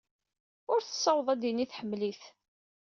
Ur tessaweḍ ad tini tḥemmel-it.